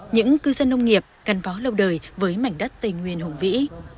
những cư dân nông nghiệp gắn bó lâu đời với mảnh đất tây nguyên hùng vĩ